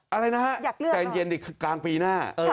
อะไรนะฮะใกล้เย็นกลางปีหน้า